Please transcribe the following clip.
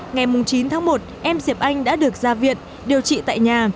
ngày chín tháng một em diệp anh đã được ra viện điều trị tại nhà